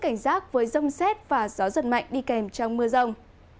cảnh giác với rông xét và gió giật mạnh đi kèm trong mưa rông